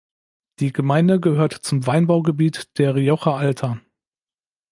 Die Gemeinde gehört zum Weinbaugebiet der "Rioja Alta".